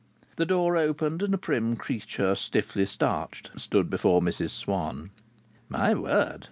The door opened, and a prim creature stiffly starched stood before Mrs Swann. "My word!"